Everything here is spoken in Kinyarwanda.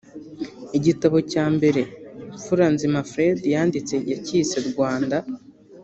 Igitabo cya mbere Mfuranzima Fred yanditse yacyise 'Rwanda